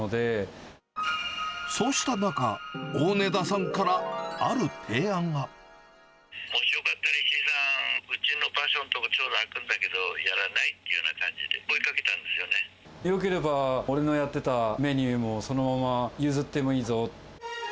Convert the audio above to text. そうした中、もしよかったら、石井さん、うちの場所んとこ、ちょうど空くんだけど、やらない？っていうような感じで、声かけたよければ俺のやってたメニューも、そのまま譲ってもいいぞって。